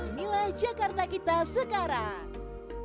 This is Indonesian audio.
inilah jakarta kita sekarang